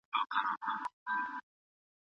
د اوبو چښل د بدن روغتیا لپاره ښه دي.